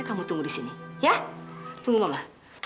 kamu tunggu di sini ya tunggu lama